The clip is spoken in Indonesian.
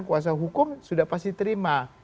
kuh sudah pasti terima